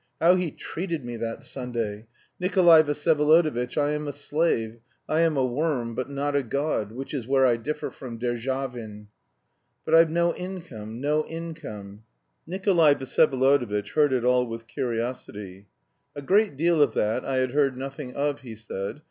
How he treated me that Sunday! Nikolay Vsyevolodovitch, I am a slave, I am a worm, but not a God, which is where I differ from Derzhavin.* But I've no income, no income!" * The reference is to a poem of Derzhavin's. Nikolay Vsyevolodovitch heard it all with curiosity. "A great deal of that I had heard nothing of," he said.